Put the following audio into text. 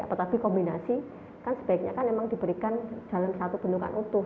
tetapi kombinasi kan sebaiknya kan memang diberikan dalam satu bentukan utuh